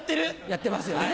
やってますよね。